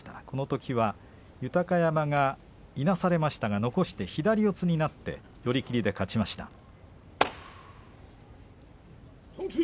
このときは豊山がいなされましたが残して左四つになって寄り切りで勝ちました。